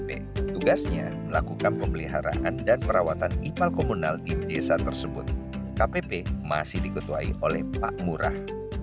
b tugasnya melakukan pemeliharaan dan perawatan ipal komunal di desa tersebut kpp masih diketuai oleh pak murah